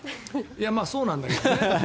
そうなんだけどね。